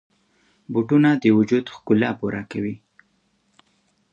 بوټونه د وجود ښکلا پوره کوي.